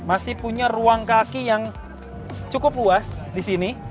masih punya ruang kaki yang cukup luas di sini